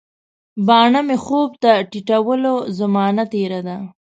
باڼه مي خوب ته ټیټوله، زمانه تیره ده